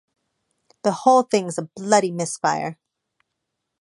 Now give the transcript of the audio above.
The whole thing's a bloody misfire.